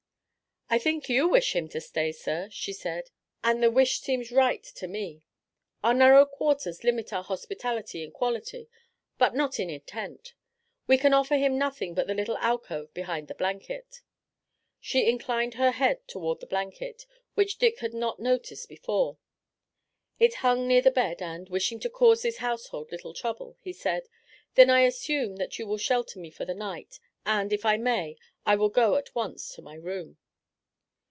"I think you wish him to stay, sir," she said, "and the wish seems right to me. Our narrow quarters limit our hospitality in quality, but not in intent. We can offer him nothing but the little alcove behind the blanket." She inclined her head toward the blanket, which Dick had not noticed before. It hung near the bed and, wishing to cause this household little trouble, he said: "Then I assume that you will shelter me for the night, and, if I may, I will go at once to my room."